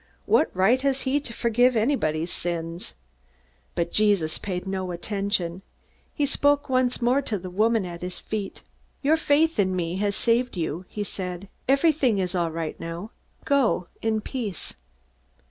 What right has he to forgive anybody's sins?" But Jesus paid no attention. He spoke once more to the woman at his feet: "Your faith in me has saved you," he said. "Everything is all right now. Go in peace."